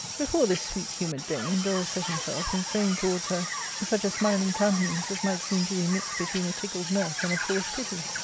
Before this sweet humoured dame Dorus set himself, and framed towards her such a smiling countenance as might seem to be mixed between a tickled mirth and a forced pity.